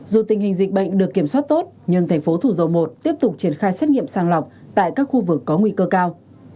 dù tình hình dịch bệnh được kiểm soát tốt nhưng thành phố thủ dầu một tiếp tục triển khai xét nghiệm sàng lọc tại các khu vực có nguy cơ cao